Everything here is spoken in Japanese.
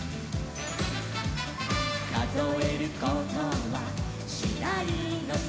「かぞえることはしないのさ」